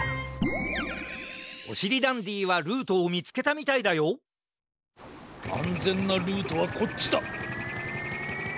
おしりダンディはルートをみつけたみたいだよあんぜんなルートはこっちだ！